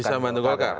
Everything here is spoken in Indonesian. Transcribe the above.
bisa membantu golkar